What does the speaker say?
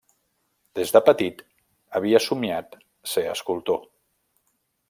Des de petit havia somniat ser escultor.